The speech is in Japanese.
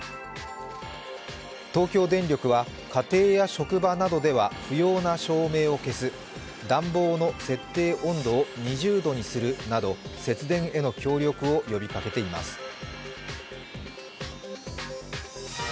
東京電力は家庭や職場などでは不要な照明を消す、暖房の設定温度を２０度にするなど節電への協力を呼びかけています。